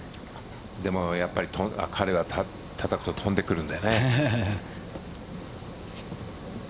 でも、やっぱり彼はたたくと飛んでくるんだよね。